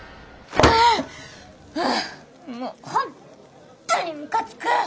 もう本当にムカつく！